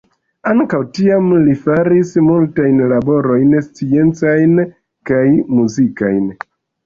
Ankaŭ tiam li faris multajn laboraĵojn sciencajn kaj muzikajn.